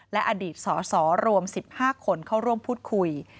และอดีตสสรวม๑๕คนเข้าร่วมพูดคุย